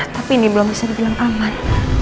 tapi ini belum bisa dibilang aman